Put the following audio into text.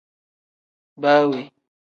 Baa we.